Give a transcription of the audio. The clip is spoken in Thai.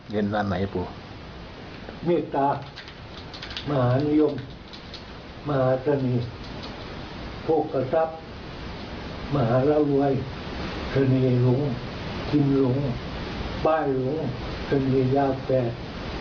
มหาละรวยชะเนยหลงชิมหลงบ้ายหลงชะเนยยาวแปด